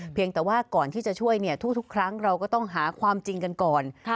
เพียงแต่ว่าก่อนที่จะช่วยทุกครั้งเราก็ต้องหาความจริงกันก่อน